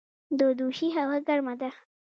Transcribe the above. د دوشي هوا ګرمه ده